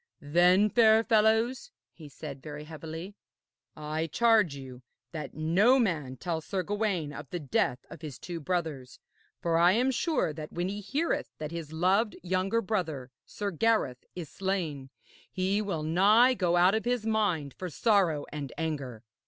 'Then, fair fellows,' he said, very heavily, 'I charge you that no man tell Sir Gawaine of the death of his two brothers; for I am sure that when he heareth that his loved younger brother, Sir Gareth, is slain, he will nigh go out of his mind for sorrow and anger.'